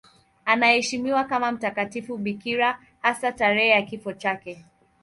Anaheshimiwa kama mtakatifu bikira, hasa tarehe ya kifo chake.